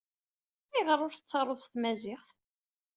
Ayɣer ur t-tettaruḍ s tmaziɣt?